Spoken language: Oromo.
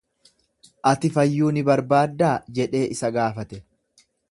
Ati fayyuu ni barbaaddaa jedhee isa gaafate.